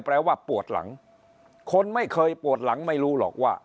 แปลว่าปวดหลังคนไม่เคยปวดหลังไม่รู้หรอกว่า